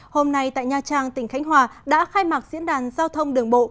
hôm nay tại nha trang tỉnh khánh hòa đã khai mạc diễn đàn giao thông đường bộ